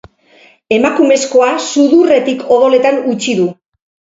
Emakumezkoa sudurretik odoletan utzi du.